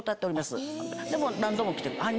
でも何度も来てる。